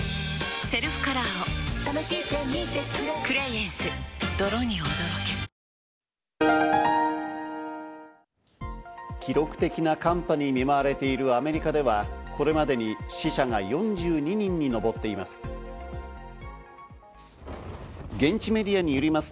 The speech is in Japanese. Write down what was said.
円相場は記録的な寒波に見舞われているアメリカではこれまでに死者が４２人に上っています。